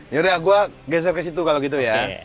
yaudah gue geser ke situ kalau gitu ya